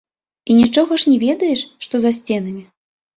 І нічога ж не ведаеш што за сценамі.